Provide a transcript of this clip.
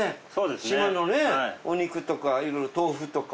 島のねお肉とかいろいろ豆腐とか。